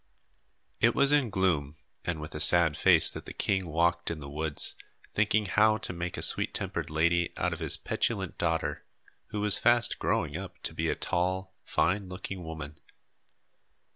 It was in gloom and with a sad face that the king walked in the woods, thinking how to make a sweet tempered lady out of his petulant daughter, who was fast growing up to be a tall, fine looking woman.